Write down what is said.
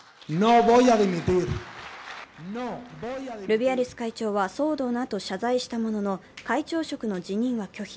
ルビアレス会長は騒動のあと謝罪したものの会長職の辞任は拒否。